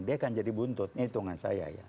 dia kan jadi buntut ini hitungan saya ya